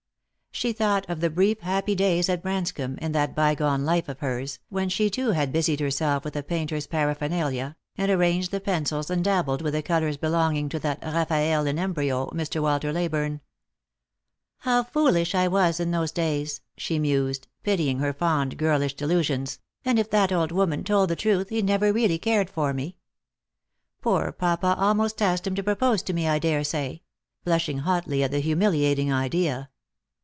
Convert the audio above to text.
She thought of the brief happy days at Branscomb, in that bygone life of hers, when she too had busied herself with a painter's paraphernalia, and arranged the pencils and dabbled with the colours belonging to that Eaffaelle in embryo, Mr. Walter Leyburne. "How foolish I was in those days !" she mused, pitying her fond girlish delusions; "and if that old woman told the truth, he never really cared for me. Poor papa almost asked him to propose to me, I daresay ;" blushing hotly at the humiliating idea.